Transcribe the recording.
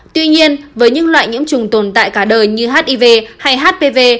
tuy nhiên với những loại nhiễm trùng tồn tại cả đời như hiv hay hpv